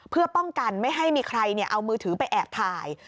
เพื่อป้องกันไม่ให้มีใครเอามือถือไปแอบถ่าย